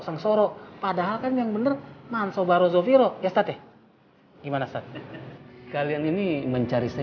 sang soro padahal kan yang bener mansobaro zofiro ya state gimana state kalian ini mencari saya